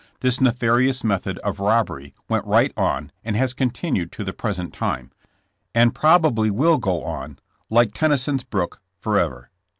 This nefarious method* of robbery went right on and has continued to the present time, and probably will go on, like Tenny son's brook, forever.